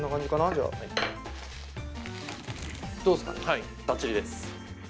はいバッチリです！